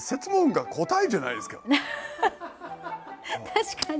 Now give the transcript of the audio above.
確かに。